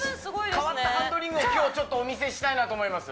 変わったハンドリングを今日お見せしたいなと思います